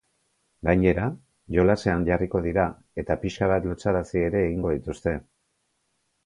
Gainera, jolasean jarriko dira, eta pixka bat lotsarazi ere egingo dituzte.